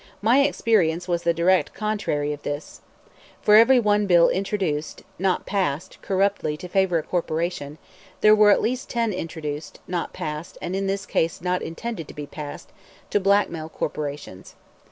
My experience was the direct contrary of this. For every one bill introduced (not passed) corruptly to favor a corporation, there were at least ten introduced (not passed, and in this case not intended to be passed) to blackmail corporations.